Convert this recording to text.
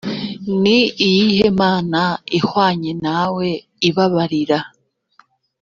ni iyihe mana ihwanye nawe ibabarira